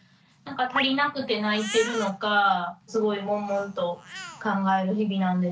足りなくて泣いてるのかすごいもんもんと考える日々なんです。